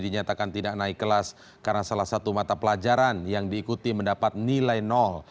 dinyatakan tidak naik kelas karena salah satu mata pelajaran yang diikuti mendapat nilai nol